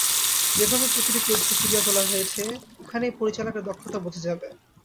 যেভাবে প্রতিটি চরিত্র ফুটিয়ে তোলা হয়েছে, এখানেই পরিচালকের দক্ষতা বোঝা যাবে।